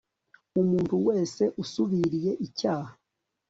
umuntu wese usubiriye icyaha